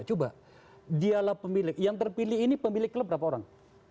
coba dialah pemilik yang terpilih ini pemilik klub berapa orang